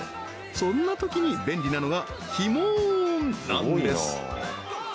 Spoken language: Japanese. そんなときに便利なのがひもーんなんです